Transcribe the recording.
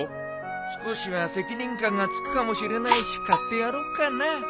少しは責任感がつくかもしれないし買ってやろうかな。